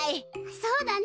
そうだね。